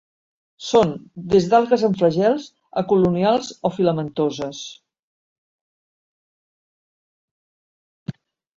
Són des d'algues amb flagels a colonials o filamentoses.